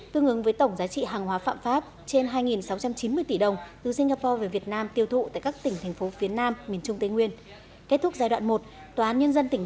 tương ứng với tổng giá trị hàng hóa phạm pháp trên hai sáu trăm chín mươi tỷ đồng từ singapore về việt nam tiêu thụ tại các tỉnh thành phố phía nam miền trung tây nguyên